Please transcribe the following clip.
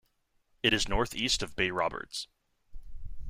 It is north east of Bay Roberts.